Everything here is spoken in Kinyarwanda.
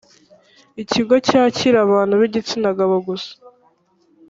ikigo cyakira abantu b igitsina gabo gusa